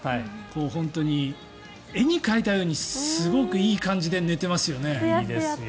本当に絵に描いたようにすごくいい感じで寝ていますよね。